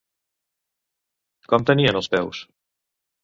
Com tenien els peus?